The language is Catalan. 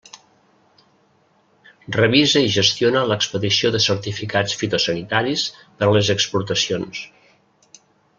Revisa i gestiona l'expedició de certificats fitosanitaris per a les exportacions.